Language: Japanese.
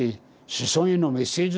「子孫へのメッセージ」。